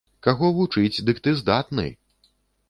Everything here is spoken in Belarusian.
Каго вучыць, дык ты здатны!